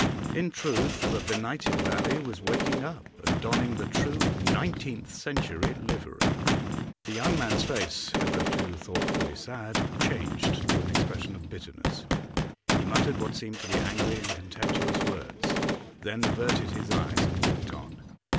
In truth, the benighted valley was waking up and donning the true nineteenth century livery. The young man's face, hitherto thoughtfully sad, changed to an expression of bitterness; he muttered what seemed to be angry and contemptuous words, then averted his eyes and walked on.